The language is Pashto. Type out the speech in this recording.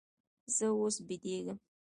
زه اوس بېدېږم.